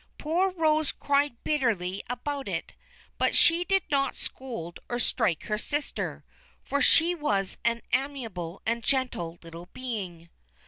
Poor Rose cried bitterly about it, but she did not scold or strike her sister, for she was an amiable and gentle little being.